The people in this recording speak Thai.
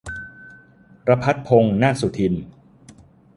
รภัสพงษ์ นาคสุทิน